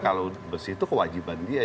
kalau besi itu kewajiban dia